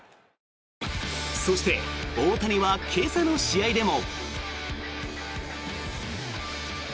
そして大谷は今朝の試合でも。